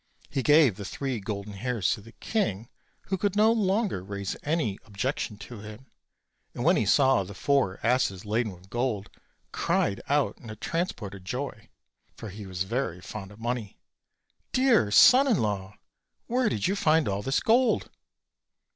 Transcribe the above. He gave the three golden hairs to the king, who could no longer raise any objection to him; and when he saw the four asses laden with gold, cried out in a transport of joy (for he was very fond of money): "Dear son in law, where did you find all this gold?"